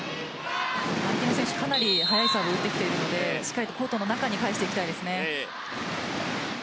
相手の選手、かなり速いサーブを打ってきているのでしっかりコートの中に返していきたいですね。